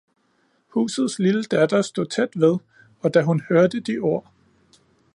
Husets lille datter stod tæt ved, og da hun hørte de ord